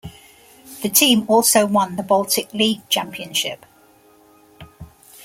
The team also won the Baltic League Championship.